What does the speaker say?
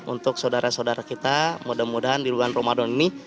untuk saudara saudara kita mudah mudahan di bulan ramadan ini